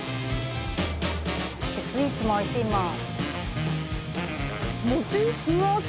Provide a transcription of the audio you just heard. スイーツもおいしいもん。